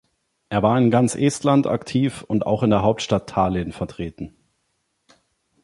Er war in ganz Estland aktiv und auch in der Hauptstadt Tallinn vertreten.